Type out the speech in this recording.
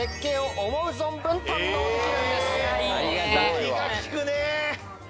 気が利くね。